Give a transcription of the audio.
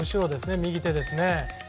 右手ですね。